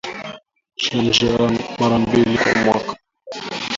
Chanja mara mbili kwa mwaka